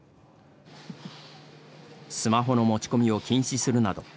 スマホの持ち込みを禁止するなど